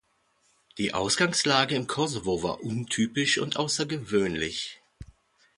Die Ausgangslage im Kosovo war untypisch und außergewöhnlich.